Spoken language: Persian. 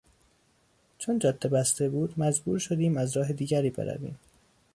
چون جاده بسته بود مجبور شدیم از راه دیگری برویم.